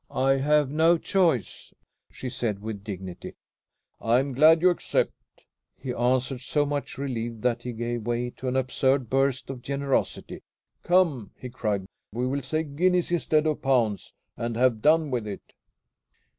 "I have no choice," she said with dignity. "I am glad you accept," he answered, so much relieved that he gave way to an absurd burst of generosity. "Come!" he cried, "we will say guineas instead of pounds, and have done with it!"